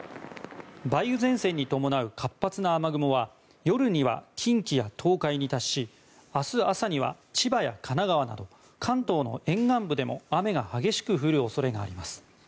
梅雨前線に伴う活発な雨雲は夜には近畿や東海に達し明日朝には千葉や神奈川など関東の沿岸部でも雨が激しく降る恐れがあります。